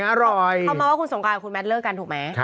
เขาเมาส์คุณสงการคุณแมดเลิกกันถูกไหม